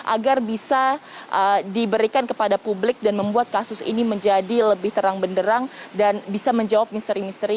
agar bisa diberikan kepada publik dan membuat kasus ini menjadi lebih terang benderang dan bisa menjawab misteri misteri